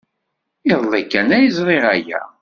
Iḍelli kan ay ẓriɣ aya.